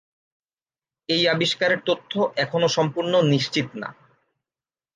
এই আবিষ্কারের তথ্য এখনও সম্পূর্ণ নিশ্চিত না।